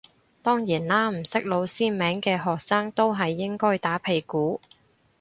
當然啦唔識老師名嘅學生都係應該打屁股